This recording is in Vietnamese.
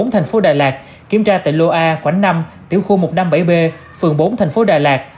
thành phố đà lạt kiểm tra tại lô a khoảnh năm tiểu khu một trăm năm mươi bảy b phường bốn thành phố đà lạt